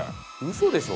嘘でしょ？